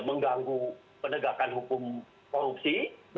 mengganggu penegakan hukum korupsi